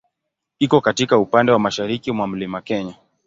Iko katika upande wa mashariki mwa Mlima Kenya.